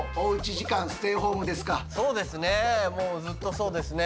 そうですね。